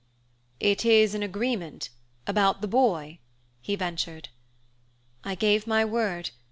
"It is an agreement about the boy?" he ventured. "I gave my word.